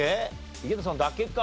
井桁さんだけか。